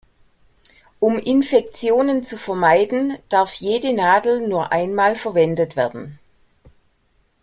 Um Infektionen zu vermeiden, darf jede Nadel nur einmal verwendet werden.